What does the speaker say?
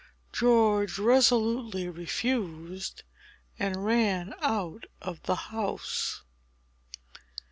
George resolutely refused, and ran out of the house.